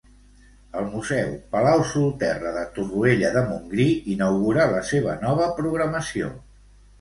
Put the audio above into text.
El museu Palau Solterra de Torroella de Montgrí inaugura la seva nova programació.